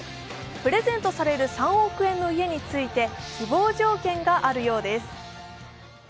プレゼントされる３億円の家について希望条件があるようです。